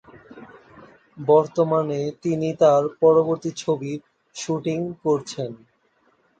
বর্তমানে তিনি তার পরবর্তী ছবির শুটিং করছেন।